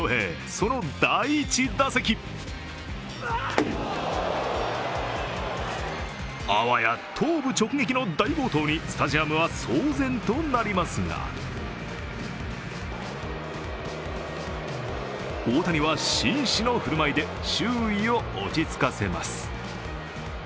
その第１打席あわや頭部直撃の大暴投にスタジアムは騒然となりますが大谷は紳士の振るまいで周囲を落ち着かせます。